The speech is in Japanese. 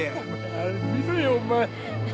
あれ見ろよお前。